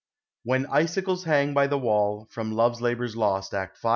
WHEN ICICLES HANG BY THE WALL. FROM "LOVE'S LABOR 's LOST," ACT V.